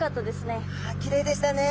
きれいでしたね。